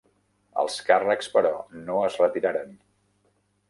Els càrrecs, però, no es retiraren.